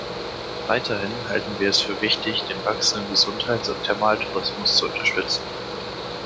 Weiterhin halten wir es für wichtig, den wachsenden Gesundheits- und Thermaltourismus zu unterstützen.